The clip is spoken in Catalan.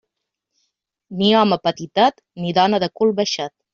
Ni home petitet, ni dona de cul baixet.